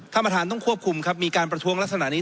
ท่านประธานต้องควบคุมครับมีการประท้วงลักษณะนี้